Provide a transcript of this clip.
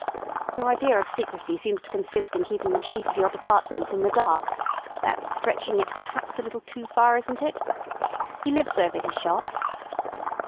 "Your idea of secrecy seems to consist in keeping the chief of your department in the dark. That's stretching it perhaps a little too far, isn't it? He lives over his shop?"